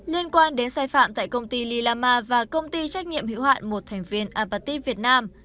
liên quan đến sai phạm tại công ty lilama và công ty trách nhiệm hữu hạn một thành viên apartheid việt nam